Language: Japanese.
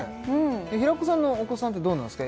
平子さんのお子さんってどうなんですか？